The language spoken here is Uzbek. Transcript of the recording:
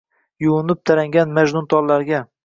Yuvinib tarangan majnuntollarga